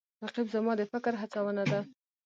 رقیب زما د فکر هڅونه ده